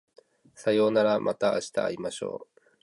さようならまた明日会いましょう